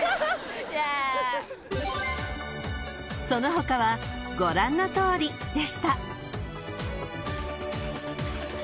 ［その他はご覧のとおりでした］